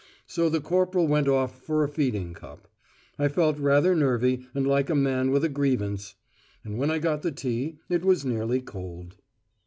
So the corporal went off for a feeding cup. I felt rather nervy and like a man with a grievance! And when I got the tea it was nearly cold.